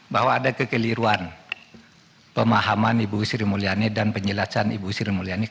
bahwa ada kekeliruan pemahaman ibu sri mulyani dan penjelasan ibu sri mulyani